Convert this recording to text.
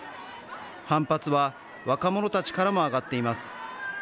反発は若者たちからも上がっています。